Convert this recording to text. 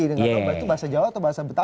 itu bahasa jawa atau bahasa betaw